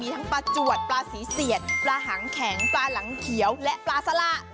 ทั้งปลาจวดปลาสีเสียดปลาหังแข็งปลาหลังเขียวและปลาสละ